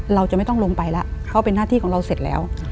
เราจะไม่ต้องลงไปแล้วเขาเป็นหน้าที่ของเราเสร็จแล้ว